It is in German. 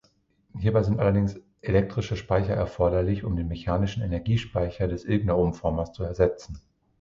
Hierbei sind allerdings elektrische Speicher erforderlich, um den mechanischen Energiespeicher des Ilgner-Umformers zu ersetzen.